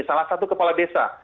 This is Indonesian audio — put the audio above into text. salah satu kepala desa